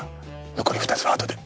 残り２つはあとで。